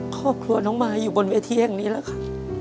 ครอบครัวน้องมายอยู่บนเวทีแห่งนี้แล้วค่ะ